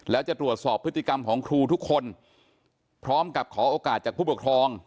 แล้วจะตรวจสอบพฤติกรรมของครูทุกคนพร้อมกับขอโอกาสจากผู้ปกครอง